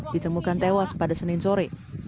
ditemukan tewas pada senin sore